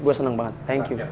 gue senang banget thank you